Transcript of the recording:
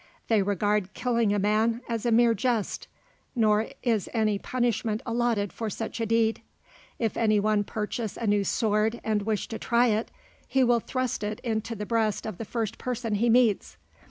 They regard killing a man as a mere jest; nor is any punishment allotted for such a deed. If any one purchase a new sword, and wish to try it, he will thrust it into the breast of the first person he meets.